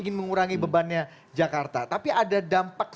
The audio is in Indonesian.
terima kasih pak